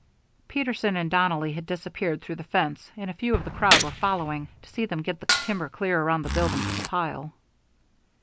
Peterson and Donnelly had disappeared through the fence, and a few of the crowd were following, to see them get the timber clear around the building to the pile.